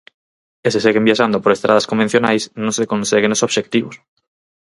E se seguen viaxando por estradas convencionais, non se conseguen os obxectivos.